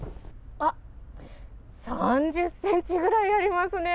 あっ、３０センチぐらいありますね。